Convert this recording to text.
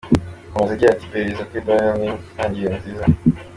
Hagati aho rugisizana, intumwa ya Nsoro irasuka ku ijuru.